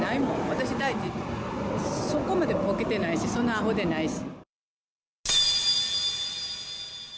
私第一、そこまでぼけてないし、そんなあほでないし。